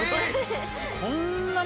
こんなに。